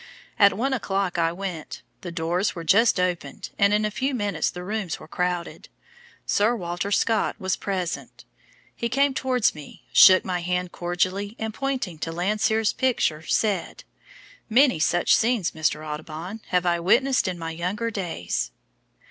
At one o'clock I went, the doors were just opened, and in a few minutes the rooms were crowded. Sir Walter Scott was present; he came towards me, shook my hand cordially, and pointing to Landseer's picture said: 'Many such scenes, Mr. Audubon, have I witnessed in my younger days.'